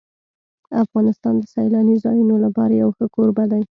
افغانستان د سیلاني ځایونو لپاره یو ښه کوربه دی.